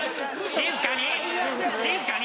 静かに！